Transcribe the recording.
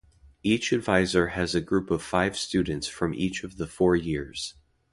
Each advisor has a group of five students from each of the four years.